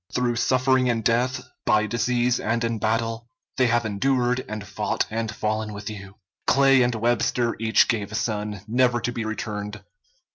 Through suffering and death, by disease and in battle, they have endured and fought and fallen with you. Clay and Webster each gave a son, never to be returned.